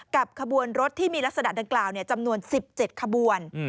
ขบวนรถที่มีลักษณะดังกล่าวจำนวน๑๗ขบวน